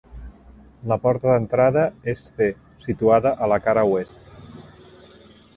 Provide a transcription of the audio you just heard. La porta d'entrada és c situada a la cara oest.